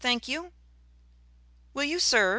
Thank you. "Will you serve?"